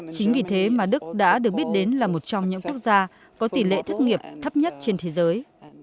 chính vì thế mà đức đã được biết đến là một trong những quốc gia có tỷ lệ thất nghiệp thấp nhất trên thế giới